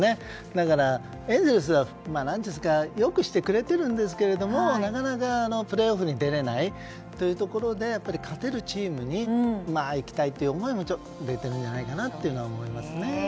だからエンゼルスは良くしてくれているんですけどなかなかプレーオフに出れないということで勝てるチームに行きたいという思いはあるんじゃないかと思いますね。